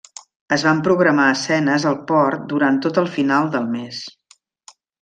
Es van programar escenes al port durant tot el final del mes.